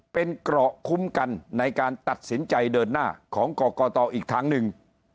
เป็นเกราะคุ้มกันในการตัดสินใจเดินหน้าของกรกตอีกทางหนึ่ง